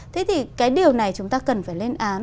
thế thì cái điều này chúng ta cần phải lên án